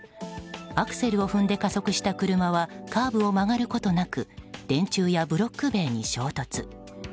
アクセルを踏んで加速した車はカーブを曲がることなく電柱やブロック塀に衝突。